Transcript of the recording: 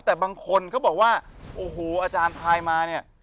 แต่บางคนเขาบอกว่าโอ้โหอาจารย์ทายมาเนี่ย